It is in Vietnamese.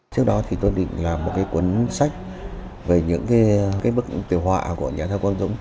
trước đó thì tôi định làm một cái cuốn sách về những cái bức tiểu họa của nhà thơ quang dũng